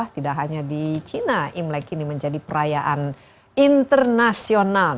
tidak hanya di china imlek kini menjadi perayaan internasional